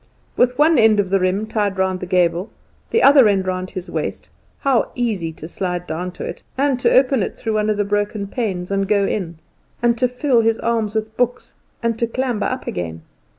With one end of the riem tied round the gable, the other end round his waist, how easy to slide down to it, and to open it, through one of the broken panes, and to go in, and to fill his arms with books, and to clamber up again!